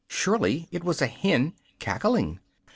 Surely it was a hen cackling!